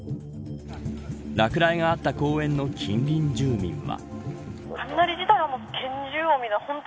落雷があった公園の近隣住民は。